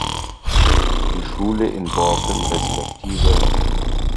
Die Schule in Borken resp.